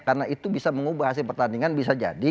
karena itu bisa mengubah hasil pertandingan bisa jadi